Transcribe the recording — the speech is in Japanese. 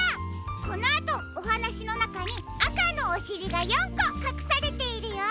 このあとおはなしのなかにあかのおしりが４こかくされているよ。